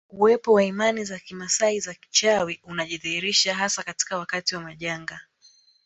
Uwepo wa imani za kimaasai za kichawi unajidhihirisha hasa katika wakati wa majanga